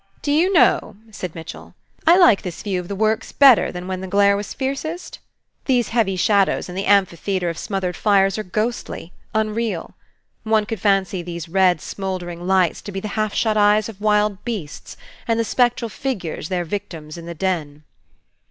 "Do you know," said Mitchell, "I like this view of the works better than when the glare was fiercest? These heavy shadows and the amphitheatre of smothered fires are ghostly, unreal. One could fancy these red smouldering lights to be the half shut eyes of wild beasts, and the spectral figures their victims in the den."